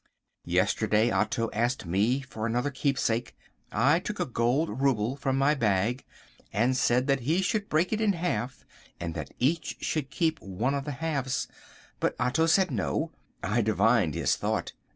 Yesterday Otto asked me for another keepsake. I took a gold rouble from my bag and said that he should break it in half and that each should keep one of the halves. But Otto said no. I divined his thought.